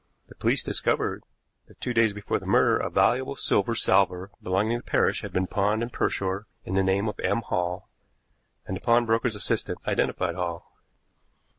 The police discovered that two days before the murder a valuable silver salver belonging to Parrish had been pawned in Pershore in the name of M. Hall, and the pawnbroker's assistant identified Hall.